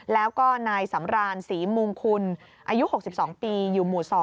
แล้วก็นายสำรานศรีมุงคุณอายุ๖๒ปีอยู่หมู่๒